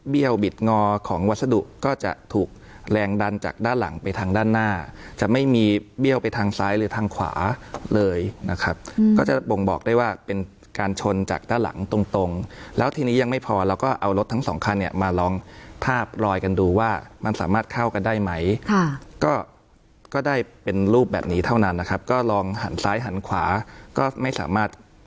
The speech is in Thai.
บิดงอของวัสดุก็จะถูกแรงดันจากด้านหลังไปทางด้านหน้าจะไม่มีเบี้ยวไปทางซ้ายหรือทางขวาเลยนะครับก็จะบ่งบอกได้ว่าเป็นการชนจากด้านหลังตรงตรงแล้วทีนี้ยังไม่พอเราก็เอารถทั้งสองคันเนี่ยมาลองทาบลอยกันดูว่ามันสามารถเข้ากันได้ไหมค่ะก็ได้เป็นรูปแบบนี้เท่านั้นนะครับก็ลองหันซ้ายหันขวาก็ไม่สามารถ